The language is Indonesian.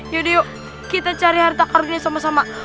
yudi yuk kita cari harta karunnya sama sama